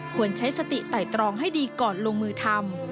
ควรใช้สติไต่ตรองให้ดีก่อนลงมือทำ